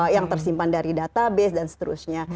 yang tersimpan dari database dan seterusnya